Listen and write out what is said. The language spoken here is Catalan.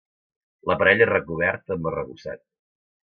L'aparell és recobert amb arrebossat.